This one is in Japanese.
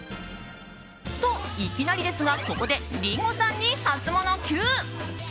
と、いきなりですがここでリンゴさんにハツモノＱ。